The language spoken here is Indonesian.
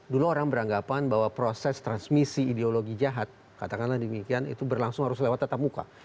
dulu orang beranggapan bahwa proses transmisi ideologi jahat katakanlah demikian itu berlangsung harus lewat tatap muka